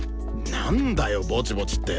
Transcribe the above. なんだよぼちぼちって！